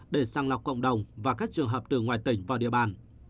để sàng lọc cộng đồng và các trường hợp từ ngoài tỉnh vào địa bàn